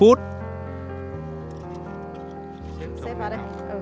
ừ xếp trong với nhau